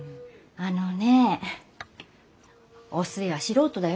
あのねえお寿恵は素人だよ。